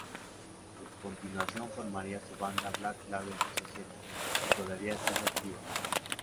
A continuación, formaría su banda Black Label Society, que todavía sigue activa.